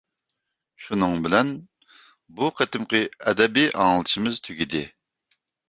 شۇنىڭ بىلەن بۇ قېتىمقى ئەدەبىي ئاڭلىتىشىمىز تۈگىدى.